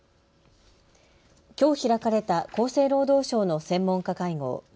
きょう開かれた厚生労働省の専門家会合。